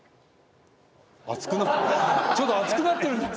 ちょっと熱くなってる。